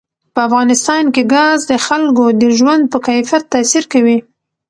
په افغانستان کې ګاز د خلکو د ژوند په کیفیت تاثیر کوي.